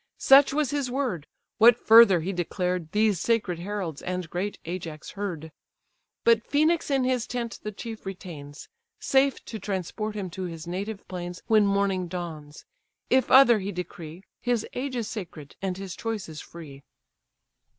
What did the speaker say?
Such was his word: what further he declared, These sacred heralds and great Ajax heard. But Phœnix in his tent the chief retains, Safe to transport him to his native plains When morning dawns; if other he decree, His age is sacred, and his choice is free."